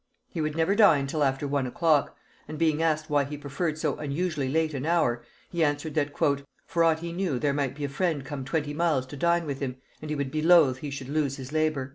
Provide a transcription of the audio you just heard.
He would never dine till after one o'clock; and being asked why he preferred so unusually late an hour, he answered, that "for aught he knew there might a friend come twenty miles to dine with him, and he would be loth he should lose his labor."